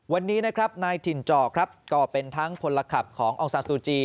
วันนี้นะครับนายถิ่นจอครับก็เป็นทั้งพลขับขององซานซูจี